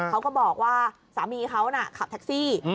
เขาก็บอกว่าสามีเขาน่ะขับแท็กซี่